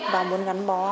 và muốn gắn bó lâu dài